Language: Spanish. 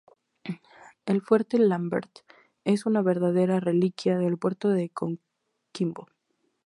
El Fuerte Lambert es una verdadera reliquia del puerto de Coquimbo.